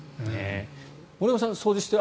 森山さん、掃除してる？